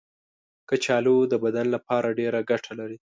کچالو د بدن لپاره ډېره ګټه لري.